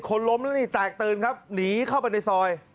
คนล้มแล้วนี่แตกตื่นครับหนีเข้าไปในซอย